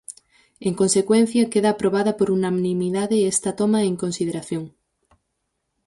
En consecuencia, queda aprobada por unanimidade esta toma en consideración.